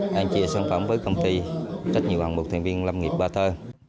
đang chia sản phẩm với công ty trách nhiệm bằng một thành viên lâm nghiệp ba thơ